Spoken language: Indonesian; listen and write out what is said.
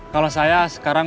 kalau saya sekarang